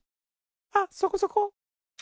あっそこそこ。